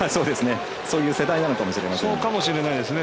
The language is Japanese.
そういう世代なのかもしれませんね。